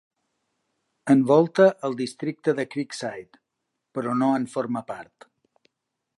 Envolta el districte de Creekside, però no en forma part.